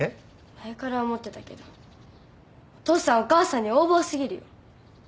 前から思ってたけどお父さんお母さんに横暴過ぎるよ。